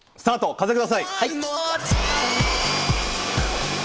風ください！